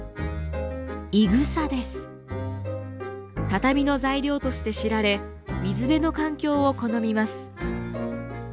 畳の材料として知られ水辺の環境を好みます。